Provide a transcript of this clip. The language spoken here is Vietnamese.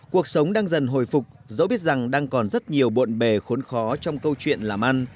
cuộc sống đang dần hồi phục dẫu biết rằng đang còn rất nhiều bộn bề khốn khó trong câu chuyện làm ăn